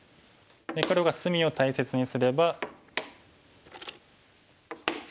黒が隅を大切にすれば。